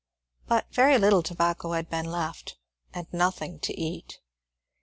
But very little tobacco had been left, and nothing to eat.